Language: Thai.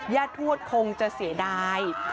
ทวดคงจะเสียดาย